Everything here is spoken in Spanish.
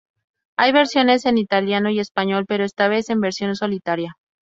Hay versiones en italiano y español, pero esta vez en versión solitaria.